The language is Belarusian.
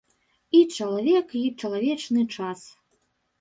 І чалавек, і чалавечы час.